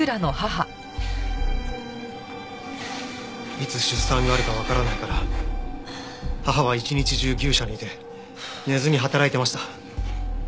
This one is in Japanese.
いつ出産があるかわからないから母は一日中牛舎にいて寝ずに働いていました。